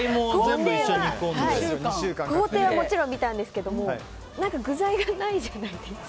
工程はもちろん見たんですけど具材がないじゃないですか。